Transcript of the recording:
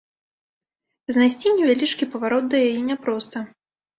Знайсці невялічкі паварот да яе няпроста.